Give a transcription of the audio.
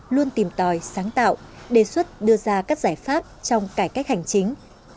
luôn tìm tòi sáng tạo đề xuất đưa ra các giải pháp trong cải cách hành chính